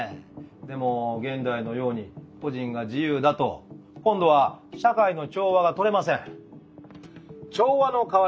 でも現代のように個人が自由だと今度は社会の調和がとれません。